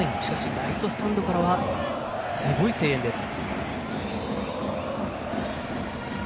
ライトスタンドからはすごい声援です。